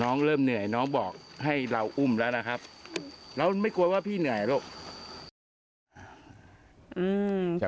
น้องเริ่มเหนื่อยน้องบอกให้เราอุ้มแล้วนะครับแล้วมันไม่กลัวว่าพี่เหนื่อยล่ะล่ะ